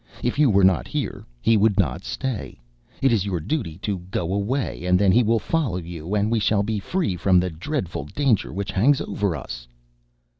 If you were not here, he would not stay. It is your duty to go away and then he will follow you, and we shall be free from the dreadful danger which hangs over us."